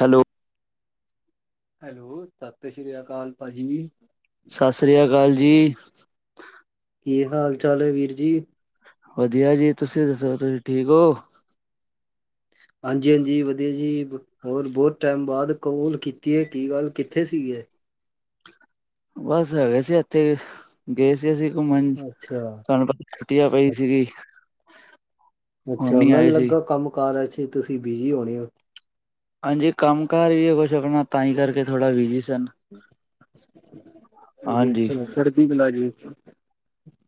Hello! Hello ਸਤਿ ਸ੍ਰੀ ਅਕਾਲ ਭਾਜੀ। ਸਤਿ ਸ਼੍ਰੀ ਅਕਾਲ ਜੀ। ਕੀ ਹਾਲ ਚਾਲ ਹੈ ਵੀਰ ਜੀ? ਵਧੀਆ ਜੀ! ਤੁਸੀਂ ਦੱਸੋ ਤੁਸੀਂ ਠੀਕ ਹੋ? ਹਾਂਜੀ -ਹਾਂਜੀ ਵਧੀਆ ਜੀ। ਹੋਰ ਬਹੁਤ ਟਾਈਮ ਬਾਅਦ ਕਬੂਲ ਕੀਤੀ ਏ। ਕੀ ਗੱਲ ਕਿੱਥੇ ਸੀਗੇ? ਬਸ ਹੈਗੇ ਸੀ ਇੱਥੇ। ਗਏ ਸੀ ਅਸੀਂ ਘੁੰਮਣ ਅੱਛਾ ਤੁਹਾਨੂੰ ਪਤਾ ਛੁੱਟੀਆਂ ਪਈ ਸੀਗੀ। ਅੱਛ ਹੁਣ ਅੱਛਾ ਨੀ ਆਏ ਮੈਨੂੰ ਸੀ ਲੱਗਾ ਕੰਮ ਕਾਰ ਚ ਤੁਸੀਂ ਬਿਜੀ ਹੋਣੇ ਹੋ। ਹਾਂਜੀ ਕੰਮ ਕਾਰ ਵੀ ਹੈ ਕੁਛ ਆਪਣਾ ਤਾਂ ਹੀ ਕਰਕੇ ਥੋੜਾ ਬਿਜੀ ਸਨ। ਹਾਂਜੀ ਚੜਦੀ ਕਲਾ ਜੀ।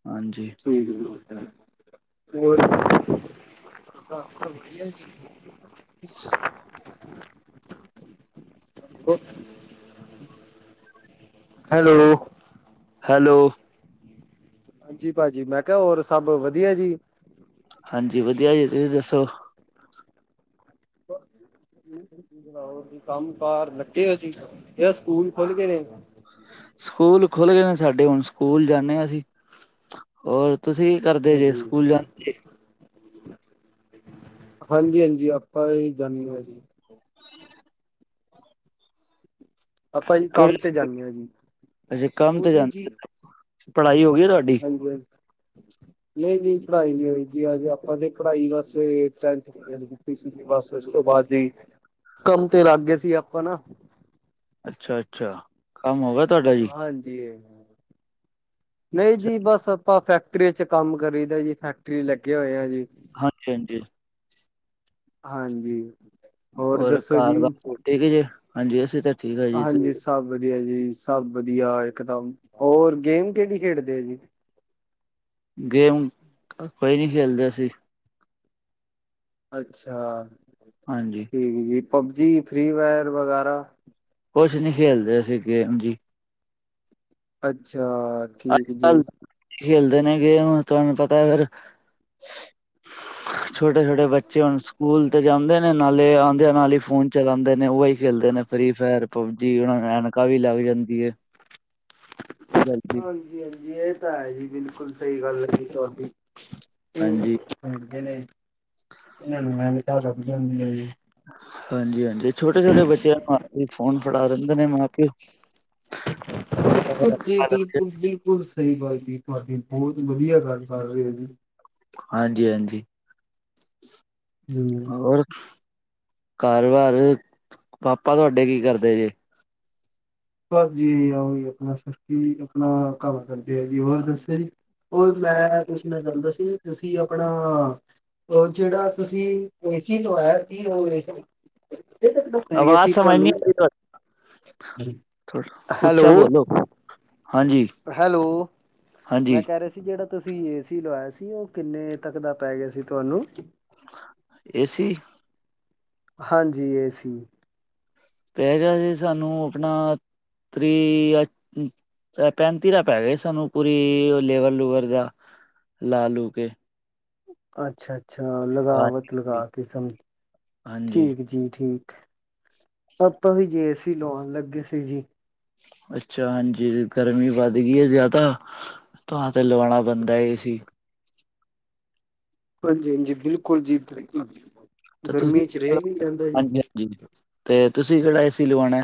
ਹਾਂਜੀ ਹੋਰ? ਹੋਰ ਈ ਵਣ ਨੇ। ਹੈਲੋ! ਹੈਲੋ! ਹਾਂਜੀ ਭਾਜੀ ਮੈਂ ਕਿਹਾ ਹੋਰ ਸਭ ਵਧੀਆ ਜੀ। ਹਾਂਜੀ ਵਧੀਆ ਜੀ! ਤੁਸੀਂ ਦੱਸੋ? ਮ ਕੰਮ- ਕਾਰ ਲੱਗੇ ਹੋਏ ਸੀ।, ਕਿ ਸਕੂਲ ਖੁੱਲ ਗਏ ਨੇ? ਸਕੂਲ ਖੁੱਲ ਗਏ ਨੇ, ਸਾਡੇ ਹੁਣ ਸਕੂਲ ਜਾਂਦੇ ਹਾਂ। ਅਸੀਂ ਔਰ ਤੁਸੀਂ? ਕਰਦੇ ਅੱਛਾ ਜੇ ਜੀ। ਸਕੂਲ ਜਾਂ ਹਾਂਜੀ -ਹਾਂਜੀ ਆਪਾਂ ਹੀ ਜਾਂਦੇ ਹਾਂ ਜੀ। ਹ ਆਪਾਂ ਜੀ ਕੰਮ ਕਿਹੜੇ ਤੇ ਸਕੂਲ? ਜਾਂਦੇ ਹਾਂ ਜੀ ਅੱਛਾ ਕੰਮ ਸਕੂਲ ਤੇ ਨੀ ਜੀ ਜਾਂਦੇ ਪੜ੍ਹਾਈ ਹੋ ਗਈ ਆ ਤੁਹਾਡੀ? ਹਾਂਜੀ ਹਾਂਜੀ ਨਹੀਂ ਨਹੀਂ ਪੜ੍ਹਾਈ ਨਹੀਂ ਹੋਈ ਅਜੇ ਆਪਾਂ ਤੇ ਪੜ੍ਹਾਈ ਵਸ। ਕੀਤੀ ਸੀਗੀ ਬਸ ਉਸ ਤੋਂ ਬਾਅਦ ਜੀ ਕੰਮ ਤੇ ਲੱਗ ਗਏ ਸੀ। ਆਪਾਂ ਨਾ, ਅੱਛਾ- ਅੱਛਾ ਕੰਮ ਹੋਗਾ ਤੁਹਾਡਾ ਜੀ? ਹਾਂਜੀ। ਨਹੀਂ ਜੀ ਬਸ ਆਪਾਂ ਫੈਕਟਰੀ ਚ ਕੰਮ ਕਰੀ ਦਾ ਜੀ ਫੈਕਟਰੀ ਲੱਗੇ ਹੋਏ ਆ ਜੀ ਹਾਂਜੀ ਹਾਂਜੀ ਹਾਂਜੀ ਹੋਰ ਔਰ ਦੱਸੋ ਜੀ ਘਰ ਬਾਰ ਸਭ ਠੀਕ ਹੈ ਜੀ ਹਾਂਜੀ ਅਸੀਂ ਤਾਂ ਠੀਕ ਆ ਜੀ ਤੁਸੀਂ ਹਾਂਜੀ ਸਭ ਵਧੀਆ ਜੀ ਸਭ ਵਧੀਆ ਇਕਦਮ ਹੋਰ ਗੇਮ ਕਿਹੜੀ ਖੇਡਦੇ ਆ ਜੀ ਗੇਮ ਕੋਈ ਨਹੀਂ ਖੇਲਦਾ ਸੀ ਅੱਛਾ ਹਾਂਜੀ ਠੀਕ ਜੀ ਪਬਜੀ ਫ੍ਰਰੀ ਫਾਇਰ ਵਗੈਰਾ ਕੁਛ ਨਹੀਂ ਖੇਲਦੇ ਅਸੀ ਗੇਮ ਜੀ ਅੱਛਾ ਠੀਕ ਜੀ। ਅਜਕਲ ਖੇਲਦੇ ਨੇ ਗੇਮ ਤੁਹਾਨੂੰ ਪਤਾ ਫਿਰ ਛੋਟੇ ਛੋਟੇ ਬੱਚੇ ਹੁਣ ਸਕੂਲ ਤੇ ਜਾਂਦੇ ਨੇ ਨਾਲੇ ਆਉਂਦੇ ਆ ਨਾਲ ਹੀ ਫੋਨ ਚਲਾਉਂਦੇ ਨੇ ਉਹੀ ਖੇਲਦੇ ਨੇ ਫ੍ਰਰੀ ਫਾਇਰ ਪਬਜੀ ਉਹ ਨੂੰ ਐਨਕਾ ਵੀ ਲੱਗ ਜਾਂਦੀ ਹੈ ਜਲਦੀ ਹਾਂਜੀ ਹਾਂਜੀ ਇਹ ਤਾਂ ਹੈ ਜ ਬਿਲਕੁਲ ਸਹੀ ਗੱਲ ਹੈ ਜੀ ਤੁਹਾਡੀ ਹ ਹਾਂਜੀ ਇਹਨਾਂ ਨੂੰ ਮੈਂ ਵੀ ਕੁਝਦੀ ਹਾਂਜੀ ਹਾਂਜੀ ਛੋਟੇ ਛੋਟੇ ਬੱਚਿਆਂ ਨੂੰ ਹੱਥ ਫ਼ੋਨ ਫੜਾ ਦਿੰਦੇ ਨੇ ਮਾਂ ਪਿਓ ਜੀ ਜੀ ਬਿਲਕੁਲ ਸਹੀ ਗੱਲ ਜੀ ਤੁਹਾਡੀ ਬਹੁਤ ਵਧੀਆ ਗੱਲ ਕਰ ਰਹੇ ਜੀ ਹਾਂਜੀ ਹਾਂਜੀ ਹਮ ਹੋਰ ਕਾਰ ਵਾਰ ਪਾਪਾ ਤੁਹਾਡੇ ਕੀ ਕਰਦੇ ਜੇ ਬਸ ਜੀ ਆਓ ਜ ਆਪਣਾ ਸਖ ਆਪਣਾ ਕੰਮ ਕਰਦੇ ਹੈ ਜੀ ਹੋਰ ਦੱਸਿਆ ਜੀ ਹੋਰ ਮੈਂ ਪੁੱਛਣਾ ਚਾਹੁੰਦਾ ਸੀ ਤੁਸੀਂ ਆਪਣਾ ਉਹ ਜਿਹੜਾ ਤੁਸੀਂ ਏਸੀ ਤੋਂ ਆਇਆ ਸੀ ਉਹ ਏਸੀ ਦੇ ਸਕਦੇ ਹੋ ਆਵਾਜ਼ ਸਮਝਨੀ ਆਈ ਹੈਲੋ ਉੱਚਾ ਬੋਲੋ ਹਾਂਜੀ ਹੈਲੋ ਮੈਂ ਹਾਂਜੀ ਕਹਿ ਰਿਹਾ ਸੀ ਜਿਹੜਾ ਤੁਸੀਂ ਏ ਸੀ ਲਵਾਇਆ ਸੀ ਉਹ ਕਿੰਨੇ ਤੱਕ ਦਾ ਪੈ ਗਿਆ ਸੀ ਤੁਹਾਨੂੰ ਏਸੀ ਹਾਂਜੀ ਇਹ ਸੀ ਪੈ ਗਿਆ ਸੀ ਸਾਨੂੰ ਆਪਣਾ ਪੈਂਤੀ ਦਾ ਪੈ ਗਏ ਸਾਨੂੰ ਪੂਰੀ ਲੇਵਰ ਲੂਵਰ ਦਾ ਲਾ ਲੂ ਕੇ ਅੱਛਾ ਅੱਛਾ ਲਗਾਵਤ ਲਗਾ ਹਾਂਜੀ ਕੇ ਸਮਝ ਹਾਂਜੀ ਠੀਕ ਜੀ ਠੀਕ ਪਾਪਾ ਵੀ ਜੇ ਸੀ ਲਾਉਣ ਲੱਗੇ ਸੀ ਜੀ ਅੱਛਾ ਹਾਂਜੀ ਗਰਮੀ ਵੱਧ ਗਈ ਹੈ ਜ਼ਿਆਦਾ ਤਾਂ ਤੇ ਲਵਾਉਣਾ ਬੰਦਾ ਏ ਸੀ ਹਾਂਜੀ ਹਾਂਜੀ ਬਿਲਕੁਲ ਜੀ ਤਾਂ ਤੁਸੀਂ ਗਰਮੀ ਚ ਰਿਹਾ ਨ ਜਾਂਦਾ ਜੀ ਹਾਂਜੀ ਹਾਂਜੀ ਤੇ ਤੁਸੀਂ ਕਿਹੜਾ ਏ ਸੀ ਲਵਾਉਣਾ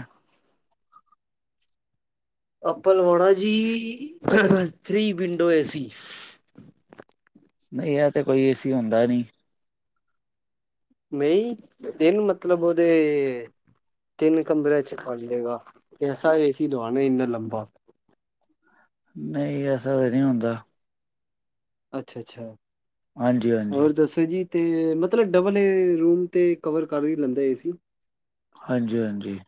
[inaudible] ਨਹੀਂ ਇਹ ਤੇ ਕੋਈ ਏਸੀ ਹੁੰਦਾ ਨਹੀਂ ਮਈ ਦਿਨ ਮਤਲਬ ਉਹਦੇ ਤਿੰਨ ਕਮਰਿਆਂ ਚ ਪ ਜਾਏਗਾ ਐਸਾ ਏ ਸੀ ਦਵਾਣਾ ਇੰਨਾ ਲੰਬਾ ਨਹੀਂ ਐਸਾ ਤਾਂ ਨਹੀਂ ਹੁੰਦਾ ਅੱਛਾ ਅੱਛਾ ਹਾਂਜੀ ਹਾਂਜੀ ਹੋਰ ਦੱਸੋ ਜੀ ਤੇ ਮਤਲਬ, ਡਬਲ ਰੂਮ ਤੇ ਕਵਰ ਕਰ ਹੀ ਲੈਂਦਾ ਏਸੀ। ਹਾਂਜੀ-ਹਾਂਜੀ।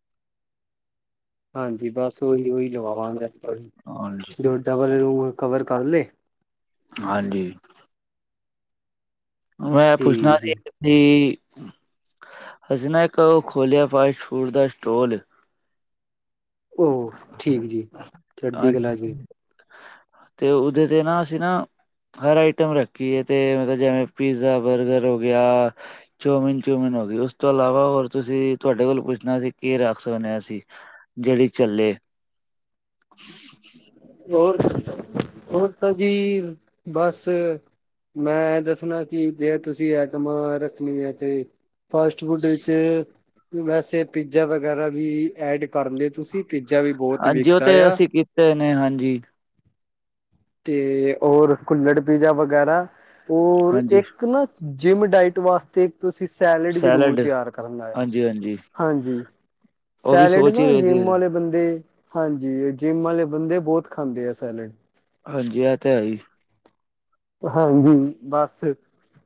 ਹਾਂਜੀ, ਬਸ ਓਹੀ-ਓਹੀ ਲਵਾਵਾਂਗੇ, ਹਾਂਜੀ ਜੋ ਡਬਲ ਰੂਮ ਕਵਰ ਕਰਲੇ। ਹਾਂਜੀ। ਮੈਂ, ਪੁੱਛਣਾ ਠੀਕ ਸੀ ਜੀ ਤੇ, ਅਸੀੇ ਨਾ ਇੱਕ ਉਹ ਖੋਲਿਆ ਫਾਸਟ-ਫੂਡ ਦਾ ਸਟੋਲ ਓ, ਠੀਕ ਜੀ। ਚੜ੍ਹਦੀ ਹਾਂ [inaudible] ਤੇ, ਉਹਦੇ ਤੇ ਨਾ, ਅਸੀਂ ਨਾ ਹਰ ਆਈਟਮ ਰੱਖੀਏ, ਅਤੇ ਮਤਲਬ ਜਿਵੇਂ ਪੀਜ਼ਾ, ਬਰਗਰ ਹੋਗਿਆ। ਚੋਮਿਨ-ਚੁਮੀਨ ਹੋ ਗਈ, ਉਸ ਤੋਂ ਇਲਾਵਾ ਹੋਰ ਤੁਸੀਂ, ਤੁਹਾਡੇ ਕੋਲ ਪੁੱਛਣਾ ਸੀ, ਕੇ ਰੱਖ ਸਕਨੇ ਹਾਂ ਅਸੀ। ਜਿਹੜੀ ਚੱਲੇ। [inaudible] ਹੋਰ, ਹੋਰ ਤਾਂ ਜੀ, ਬਸ ਮੈਂ ਦੱਸਣਾ ਕਿ, ਜੇ ਤੁਸੀਂ ਆਈਟਮ ਰੱਖਣੀਆਂ ਤੇ ਫਾਸਟ-ਫੂਡ ਵਿੱਚ, ਵੈਸੇ ਪੀਜ਼ਾ ਵਗੈਰਾ ਵੀ ਐਡ ਕਰਲੇ ਤੁਸੀ? ਪੀਜ਼ਾ ਵੀ, ਬਹੁਤ ਹਾਂਜੀ ਉਹ ਵਿਕਦਾ ਯਾ। ਅਸੀਂ ਤੇ, ਨੇ ਹਾਂਜੀ। ਤੇ ਹੋਰ ਕੁੁੱਲੜ ਪੀਜ਼ਾ ਵਗੈਰਾ, ਓਰ ਹਾਂਜੀ ਇੱਕ ਨਾ ਜਿੰਮ ਡਾਇਟ ਵਾਸਤੇ ਤੁਸੀਂ ਸੈਲੇਡ ਜ਼ਰੂਰ ਸੈਲਡ ਤਿਆਰ ਕਰਨਾ ਏ। ਹਾਂਜੀ ਹਾਂਜੀ ਹਾਂਜੀ। ਉਹ ਵੀ ਸੈਲਡ ਸੋਚ ਹੀ ਨਾ, ਰਹੇ ਸੀ ਜਿੰਮ ਵਾਲੇ ਬੰਦੇ ਹਾਂਜੀ, ਜਿੰਮ ਵਾਲੇ ਬੰਦੇ ਬਹੁਤ ਖਾਂਦੇ ਆ, ਸੈਲੇਡ। ਹਾਂਜੀ, ਐ, ਤਾ ਹੈਹੀ। ਹਾਂਜੀ, ਬਸ।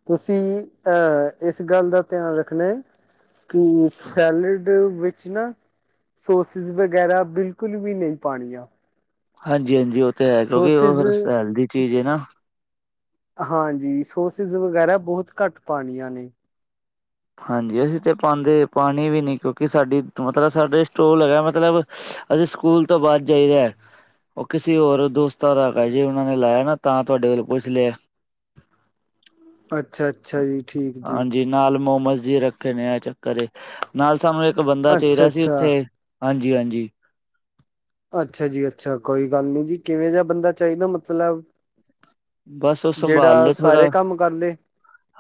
ਤੁਸੀਂ ਅਂਹ ਇਸ ਗੱਲ ਦਾ ਧਿਆਨ ਰੱਖਣਾ ਏ ਕੀ, ਸੈਲੇਡ ਵਿੱਚ ਨਾ ਸੋਸਿਸ ਵਗੈਰਾ ਬਿਲਕੁਲ ਵੀ ਨਹੀਂ ਪਾਣੀਆਂ। ਹਾਂਜੀ-ਹਾਂਜੀ, ਉਹ ਤੇ ਹੈ, ਕਿਉਂਕਿ ਸੋਸਿਸ ਉਹ ਫ--ਸ ਹੈਲਦੀ ਦੀ ਚੀਜ਼ ਏ ਨਾ। ਹਾਂਜੀ, ਸੋਸਿਸ ਵਗੈਰਾ ਬਹੁਤ ਘੱਟ ਪਾਣੀਆਂ ਨੇ। ਹਾਂਜੀ, ਅਸੀਂ ਤਾਂ ਪਾਂਦੇ, ਪਾਣੀ ਵੀ ਨਹੀਂ, ਕਿਉਂਕਿ ਸਾਡੀ ਮਤਲਬ ਸਾਡੇ ਸਟੋਲ ਹੈਗਾ, ਮਤਲਬ ਅਸੀਂ ਸਕੂਲ ਤੋਂ ਬਾਅਦ ਜਾਈਦਾ ਉਹ ਕਿਸੇ ਹੋਰ ਦੋਸਤਾਂ ਦਾ, ਜੇ ਉਹਨਾਂ ਨੇ ਲਾਇਆ ਨਾ ਤਾਂ ਤੁਹਾਡੇ ਕੋਲ ਪੁੱਛ ਲਿਆ। ਅੱਛਾ-ਅੱਛਾ ਜੀ, ਠੀਕ ਜੀ। ਹਾਂਜੀ, ਨਾਲ ਮੋਮੋਸ ਜੇ ਰੱਖੇ ਨੇ ਐ ਚੱਕਰ ਏ, ਨਾਲ ਸਾਨੂੰ ਇੱਕ ਬੰਦਾ ਚਾਹੀਦਾ ਸੀ, ਅੱਛਾ-ਅੱਛਾ, ਇੱਥੇ ਹਾਂਜੀ-ਹਾਂਜੀ। ਅੱਛਾ ਜੀ, ਅੱਛਾ। ਕੋਈ ਗੱਲ ਨੀ ਜੀ, ਕਿਵੇਂ ਜਿਹਾ ਬੰਦਾ ਚਾਹੀਦਾ? ਮਤਲਬ ਬਸ ਉਹ ਸੰਭਾਲ ਜਿਹੜਾ ਲਏ ਥੋੜਾ ਸਾਰੇ ਕੰਮ ਕਰਲੇ।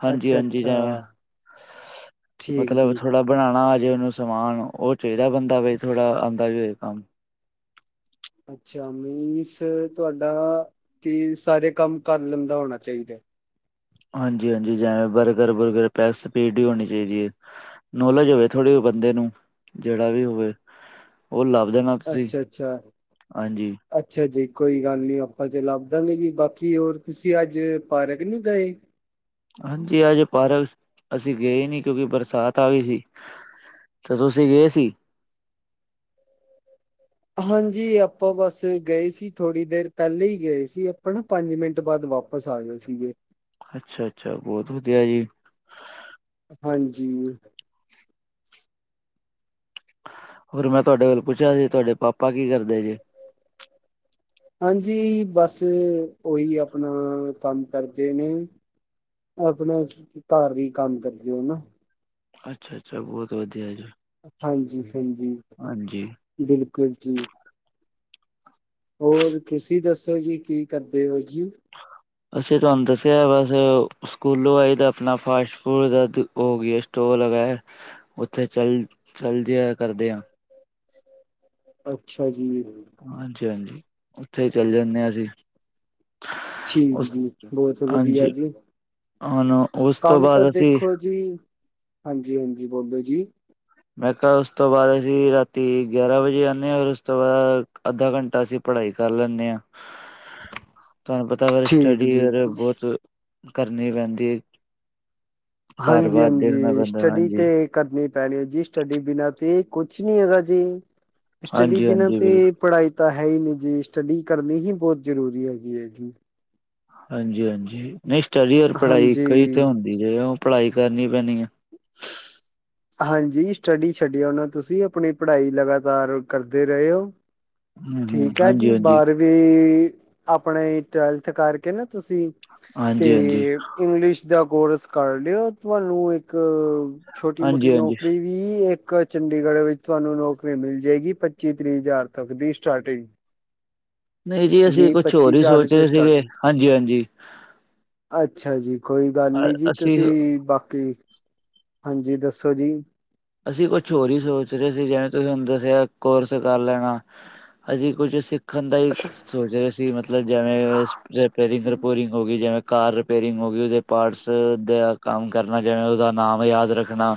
ਹਾਂਜੀ-ਹਾਂਜੀ ਅੱਛਾ-ਅੱਛਾ। ਜਿਵੇਂ ਠੀਕ ਮਤਲਬ, ਜੀ ਥੋੜਾ ਬਣਾਣਾ ਆਜੇ ਉਹਨੂੰ ਸਮਾਨ। ਉਹ ਚਾਹੀਦਾ ਬੰਦਾ ਬਈ ਥੋੜਾ ਆਂਦਾ ਵੀ ਹੋਏ ਕੰਮ। ਅੱਛਾ, ਮੀਨਸ, ਤੁਹਾਡਾ ਕੀ ਸਾਰੇ ਕੰਮ ਕਰ ਲੈਂਦਾ ਹੋਣਾ ਚਾਹੀਦਾ। ਹਾਂਜੀ-ਹਾਂਜੀ, ਜਵੇਂ ਬਰਗਰ, ਬੁਰਗਰ ਪੈ ਸਪੀਡ ਹੀ ਹੋਣੀ ਚਾਹੀਦੀ ਏ। ਨੋਲੇਜ ਹੋਵੇ ਥੋੜ੍ਹੀ ਬੰਦੇ ਨੂੰ, ਜਿਹੜਾ ਵੀ ਹੋਵੇ। ਉਹ ਲੱਭ ਦੇਨਾ। ਅੱਛਾ-ਅੱਛਾ। ਅੱਛਾ ਜੀ, ਕੋਈ ਗੱਲ ਨੀ, ਆਪਾਂ ਤੇ ਲੱਭਦਾਂਗੇ ਜੀ, ਬਾਕੀ ਹੋਰ ਤੁਸੀਂ ਅੱਜ ਪਾਰਕ ਨਹੀ ਗਏ? ਹਾਂਜੀ, ਅੱਜ ਪਾਰਕ ਅਸੀਂ ਗਏ ਨਹੀਂ, ਕਿਉਂਕਿ ਬਰਸਾਤ ਆ ਗਈ ਸੀ। ਤੇ ਤੁਸੀਂ ਗਏ ਸੀ [unintelligible] ਹਾਂਜੀ ਆਪਾਂ ਬਸ ਗਏ ਸੀ ਥੋੜ੍ਹੀ ਦੇਰ ਪਹਿਲੇ ਹੀ ਗਏ ਸੀ ਆਪਾਂ ਨਾ ਪੰਜ ਮਿੰਟ ਬਾਅਦ ਵਾਪ ਵਾਪਸ ਆਏ ਸੀਗੇ ਅੱਛਾ ਅੱਛਾ ਬਹੁਤ ਵਧੀਆ ਜੀ ਹਾਂਜੀ। ਹੋਰ, ਮੈਂ ਤੁਹਾਡੇ ਕੋਲ ਪੁੱਛਿਆ ਜੀ, ਤੁਹਾਡੇ ਪਾਪਾ ਕੀ ਕਰਦੇ ਜੀ? ਹਾਂਜੀ ਬਸ ਓਹੀ ਆਪਣਾ ਕੰਮ ਕਰਦੇ ਨੇ ਆਪਣਾ ਘਰ ਹੀ ਕੰਮ ਕਰ ਦਿਓ ਨਾ ਅੱਛਾ ਅੱਛਾ, ਬਹੁਤ ਵਧੀਆ ਜੀ ਹਾਂਜੀ, ਹਾਂਜੀ, ਹਾਂਜੀ ਬਿਲਕੁਲ ਜੀ। ਹੋਰ ਤੁਸੀਂ ਦੱਸੋ ਜੀ ਕੀ ਕਰਦੇ ਹੋ ਜੀ। ਅੱਛਂ, ਤੁਹਾਨੂੰ ਦੱਸਿਆ, ਬਸ ਸਕੂਲੋਂ ਆਈ ਤਾਂ ਆਪਣਾ ਫਾਸਟ ਫੂਡ ਦਾ ਹੋ ਗਿਆ ਸਟੋਲ ਵਗੈ। ਉੱਥੇ, ਚੱਲ ਚੱਲ, ਜਿਆ ਕਰਦੇ ਹ ਅੱਛਾ ਜੀ, ਹਾਂਜੀ ਹਾਂਜੀ ਉੱਥੇ ਹੀ ਚਲੇ ਜਾਂਦੇ ਹਾਂ ਅਸੀਂ [unintelligible] ਠੀਕ ਉਸ ਜੀ, ਬਹੁਤ ਵਧੀਆ ਹਾਂਜੀ ਜੀ ਹੁਣ ਉਸ ਤੋਂ ਕੰਮ ਤਾਂ ਬਾਅਦ ਅਸੀਂ ਦੇਖੋ ਜੀ, ਹਾਂਜੀ ਹਾਂਜੀ, ਬੋਬਾ ਜੀ ਮੈਂ ਕਿਹਾ ਉਸ ਤੋਂ ਬਾਅਦ ਅਸੀਂ ਰਾਤੀ ਗਿਆਰਾਂ ਵਜੇ ਆਦੇ ਹਾਂ ਔਰ ਉਸ ਤੋਂ ਬਾਅਦ ਅੱਧਾ ਘੰਟਾ ਅਸੀਂ। ਪੜ੍ਹਾਈ ਕਰ ਲੈਂਦੇ ਹਾਂ [unintelligible] ਤੁਹਾਨੂੰ ਪਤਾ ਵ ਠੀਕ ਸਟੱਡੀ ਜੀ ਬਹੁਤ ਕਰਨੀ ਪੈਂਦੀ ਹੈ। ਘਰ ਹਾਂਜੀ ਬਾਰ ਦੇਖਣਾ ਹਾਂਜੀ, ਪੈਂਦਾ ਸਟੱਡੀ ਹਾਂਜੀ ਤੇ, ਕਰਨੀ ਪੈਣੀ ਹੈ, ਜੀ ਸਟੱਡੀ ਬਿਨਾਂ ਤੇ ਕੁਛ, ਨੀ ਹੈਗਾ ਜੀ। ਸਟੱਡੀ ਹਾਂਜੀ ਬਿਨਾਂ ਹਾਂਜੀ ਬਿਲਕੁਲ ਤੇ, ਪੜ੍ਹਾਈ ਤਾਂ ਹੈ ਹੀ ਨਹੀਂ ਜੀ ਸਟੱਡੀ ਕਰਨੀ ਹੀ ਬਹੁਤ ਜ਼ਰੂਰੀ ਹੈਗੀ ਹੈ ਜੀ। ਹਾਂਜੀ ਹਾਂਜੀ, ਨਹੀਂ ਸਟੱਡੀ ਔਰ ਪੜ੍ਹਾਈ ਕਈ ਤੇ ਹਾਂਜੀ। ਹੁਣ, ਉਹ ਪੜ੍ਹਾਈ ਕਰਨੀ ਪੈਣੀ ਆ। ਹਾਂਜੀ, ਸਟੱਡੀ ਛੱਡ ਆਣਾ ਤੁਸੀਂ ਆਪਣੀ ਪੜ੍ਹਾਈ ਲਗਾਤਾਰ ਕਰਦੇ ਰਹੇ ਹੋ। ਹਮ ਹਮ ਠੀਕ, ਹੈ ਹਾਂਜੀ ਜੀ ਹਾਂਜੀ ਬਾਰਵੀਂ, ਵੀ ਆਪਣੇ ਟਵੈਲਥ ਕਰਕੇ ਨਾ ਤੁਸੀਂ ਤੇ ਹਾਂਜੀ ਹਾਂਜੀ ਇੰਗਲਿਸ਼ ਦਾ ਕੋਰਸ ਕਰ ਲਿਓ ਤੁਹਾਨੂੰ ਇੱਕ ਛੋਟੀ ਹਾਂਜੀ ਮੋਟੀ ਹਾਂਜੀ ਨੌਕਰੀ ਵੀ ਇੱਕ ਚੰਡੀਗੜ੍ਹ ਵਿੱਚ ਤੁਹਾਨੂੰ ਨੌਕਰੀ ਮਿਲ ਜਾਏਗੀ। ਪੱਚੀ ਤ੍ਰੀਹ ਹਜ਼ਾਰ ਤੱਕ ਦੀ ਸਟਾਰਟਿੰਗ, [unintelligible] ਨਹੀਂ ਜੀ ਅਸੀਂ ਵੀਹ ਕੁਛ ਪੱਚੀ ਹੋਰ ਹੀ ਹਜ਼ਾਰ ਸੋਚ ਚ ਰਹੇ ਸੀਗੇ, ਸਟਾਰਟਿੰਗ ਹਾਂਜੀ ਹਾਂਜੀ ਅੱਛਾ ਜੀ, ਕੋਈ ਗੱਲ ਨਹੀਂ ਜੀ ਅ- ਅਸੀਂ ਤੁਸੀਂ, ਬਾਕੀ ਹਾਂਜੀ, ਦੱਸੋ ਜੀ ਅਸੀਂ ਕੁਛ ਹੋਰ ਹੀ ਸੋਚ ਰਹੇ ਸੀ ਜਿਵੇਂ ਤੁਸੀਂ ਹੂੰ ਦੱਸਿਆ ਕੋਰਸ ਕਰ ਲੈਣਾ। ਅਸੀਂ, ਕੁਝ ਸਿੱਖ ਖੰਦਾ ਹੀ ਸੋਚ ਰਿਹਾ ਸੀ ਮਤਲਬ, ਜਿਵੇਂ ਰਿਪੇਰਿੰਗ ਰਿਪੋਰਿੰਗ ਹੋ ਗਈ ਜਿਵੇਂ, ਕਾਰ ਰਿਪੇਰਿੰਗ ਹੋ ਗਈ ਉਹਦੇ ਪਾਰਟਸ ਦਾ ਕੰਮ ਕਰਨਾ ਜਵੇਂ ਉਹਦਾ ਨਾਮ ਯਾਦ ਰੱਖਣਾ।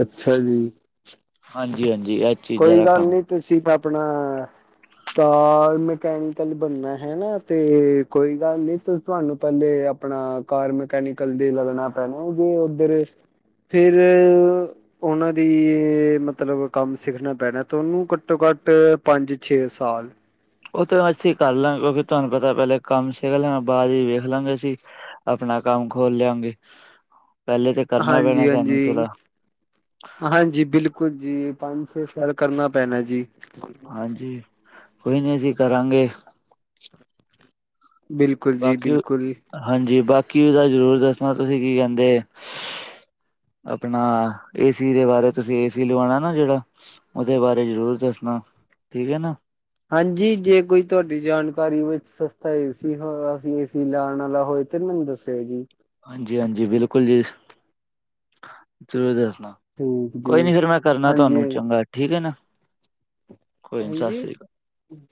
ਅੱਛਾ ਜੀ, ਹਾਂਜੀ, ਹਾਂਜੀ, ਚੀਜ਼ਾਂ ਕੋਈ ਦਾ ਗੱਲ ਕੰਮ ਨਹੀਂ ਤੁਸੀਂ ਆਪਣਾ, ਕਾਰ ਮਕੈਨੀਕਲ ਬਣਨਾ ਹੈ, ਨਾ ਤੇ ਕੋਈ ਗੱਲ ਨੀ ਤੁਹਾਨੂੰ ਪਹਿਲੇ, ਆਪਣਾ ਕਾਰ ਮਕੈਨੀਕਲ ਦੇ ਲੱਗਣਾ ਪੈਣਾ ਜੀ ਉੱਧਰ ਫੇਿਰ ਉਹਨਾਂ ਦੀ ਮਤਲਬ ਕੰਮ ਸਿੱਖਣਾ ਪੈਣਾ ਤਾਂ ਉਹਨੂੰ ਘੱਟੋ ਘੱਟ ਪੰਜ ਛੇ ਸਾਲ ਉਹ ਤੋਂ ਅਸੀਂ ਕਰ ਲਾਂਗੇ ਕਿਉਂਕਿ ਤੁਹਾਨੂੰ ਪਤਾ ਪਹਿਲੇ ਕੰਮ ਸਿੱਖ ਲੈ ਬਾਅਦ ਹੀ ਵੇਖ ਲਾਂਗੇ ਅਸੀਂ ਆਪਣਾ ਕੰਮ ਖੋਲ ਲਿਆਂਗੇ ਪਹਿਲੇ ਤੇ ਕਰਨਾ ਪੈਣਾ ਹਾਂਜੀ ਸਾਨੂੰ ਹਾਂਜੀ ਥੋੜਾ ਹਾਂਜੀ, ਬਿਲਕੁਲ ਜੀ, ਪੰਜ- ਛੇ ਸਾਲ ਕਰਨਾ ਪੈਣਾ ਜੀ। ਹਾਂਜੀ, ਕੋਈ ਨਹੀਂ, ਅਸੀਂ ਕਰਾਂਗੇ। ਬਿਲਕੁਲ ਜੀ, ਬਾਕੀ ਬਿਲਕੁਲ। ਹਾਂਜੀ, ਬਾਕੀ ਉਹਦਾ ਜ਼ਰੂਰ ਦੱਸਣਾ, ਤੁਸੀਂ ਕੀ ਕਹਿੰਦੇ? ਆਪਣਾ ਏਸੀ ਦੇ ਬਾਰੇ, ਤੁਸੀਂ ਏਸੀ ਲਵਾਉਣਾ ਨਾ ਜਿਹੜਾ। ਉਹਦੇ ਬਾਰੇ ਜ਼ਰੂਰ ਦੱਸਣਾ, ਠੀਕ ਹੈ ਨਾ। ਹਾਂਜੀ, ਜੇ ਕੋਈ ਤੁਹਾਡੀ ਜਾਣਕਾਰੀ ਵਿੱਚ ਸਸਤਾ ਏਸੀ ਹੋ, ਏਸੀ ਲਾਉਣ ਵਾਲਾ ਹੋਏ। ਫਿਰ, ਮੈਂਨੂੰ ਦੱਸਿਓ ਜੀ। ਹਾਂਜੀ- ਹਾਂਜੀ ਬਿਲਕੁਲ ਜੀ, ਜ਼ਰੂਰ ਦੱਸਣਾ ਠੀਕ ਜੀ ਕੋਈ ਨੀ, ਫੇਰ ਮੈਂ ਕਰਨਾ ਹਾਂਜੀ ਤੁਹਾਨੂੰ ਚੰਗਾ, ਠੀਕ ਹੈ ਨਾ, ਕੋਈ ਨੀ, ਸਤਿ ਹਾਂਜੀ ਸ੍ਰੀ ਅਕਾਲ।